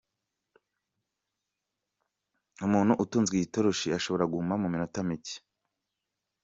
Umuntu utunzwe iyi toroshi ashobora guhuma nyuma y’iminota mike.